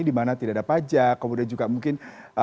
dimana tidak ada pajak kemudian juga mungkin